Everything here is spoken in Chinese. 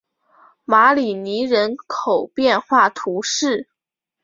马里尼人口变化图示